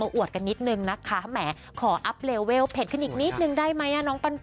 อวดกันนิดนึงนะคะแหมขออัพเลเวลเผ็ดขึ้นอีกนิดนึงได้ไหมน้องปัน